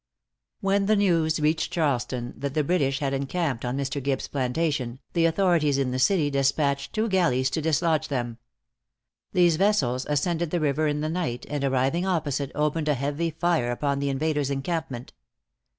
When the news reached Charleston that the British had encamped on Mr. Gibbes' plantation, the authorities in the city despatched two galleys to dislodge them. These vessels ascended the river in the night, and arriving opposite, opened a heavy fire upon the invaders' encampment.